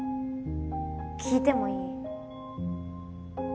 聞いてもいい？